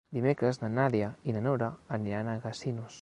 Dimecres na Nàdia i na Nora aniran a Casinos.